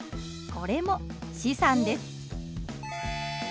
これも資産です。